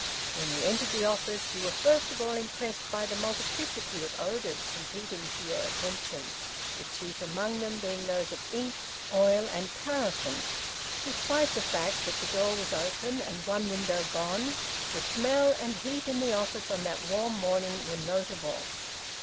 When you entered the office you were first of all impressed by the multiplicity of odours competing for your attention, the chief among them being those of ink, oil, and paraffin. Despite the fact that the door was open and one window gone, the smell and heat in the office on that warm morning were notable.